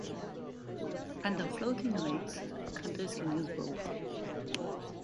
Under floating rates, countries can use both.